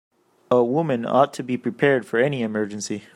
A woman ought to be prepared for any emergency.